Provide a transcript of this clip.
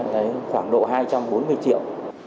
đấy khoảng độ hai trăm bốn mươi triệu